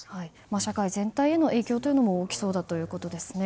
社会全体への影響というのも大きそうだということですね。